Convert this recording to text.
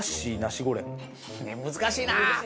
難しいな。